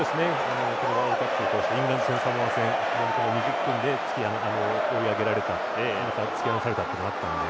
このワールドカップイングランド戦、サモア戦２０分で追い上げられた突き放されたのがあったので。